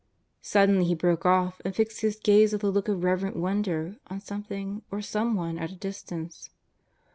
Suddenly he broke off and fixed his gaze with a look of reverent wonder on some thing or someone at a distance.